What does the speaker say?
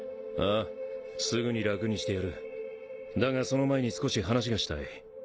あすぐに楽にしだがその前に少し話がしたい